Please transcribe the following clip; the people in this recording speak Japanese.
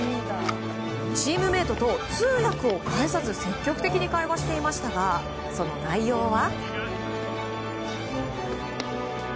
チームメートと通訳を介さず積極的に会話していましたがその内容は。